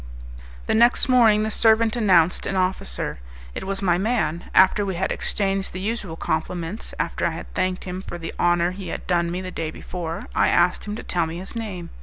The next morning the servant announced an officer; it was my man. After we had exchanged the usual compliments, after I had thanked him for the honour he had done me the day before, I asked him to tell me his name.